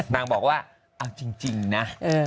นางบอกว่าเอาจริงนะ